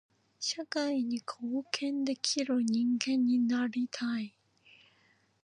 社会に貢献できる人間になりたい。